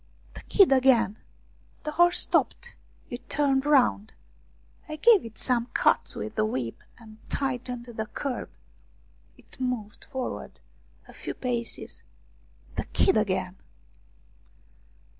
The kid again ! The horse stopped ; it turned round. I gave it some cuts with the whip and tightened the curb. It moved forward a few paces the kid again